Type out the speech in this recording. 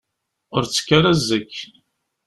Ur d-tekki ara seg-k.